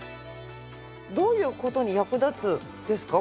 どういう事に役立つんですか？